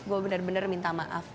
gue benar benar minta maaf